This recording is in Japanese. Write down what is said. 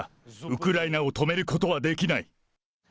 ウクライナを止めることはできない。